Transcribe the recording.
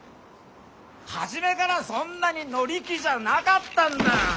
初めからそんなに乗り気じゃなかったんだ。